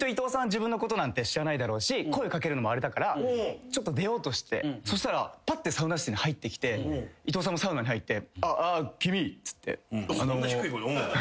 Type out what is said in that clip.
自分のことなんて知らないだろうし声をかけるのもあれだからちょっと出ようとしてそしたらサウナ室に入ってきて伊藤さんもサウナに入って。